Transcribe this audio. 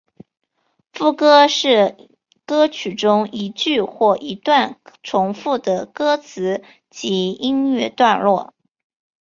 副歌是歌曲中一句或一段重复的歌词及音乐段落。